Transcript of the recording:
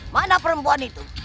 mana perempuan itu